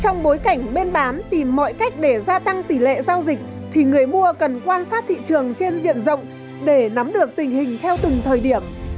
trong bối cảnh bên bán tìm mọi cách để gia tăng tỷ lệ giao dịch thì người mua cần quan sát thị trường trên diện rộng để nắm được tình hình theo từng thời điểm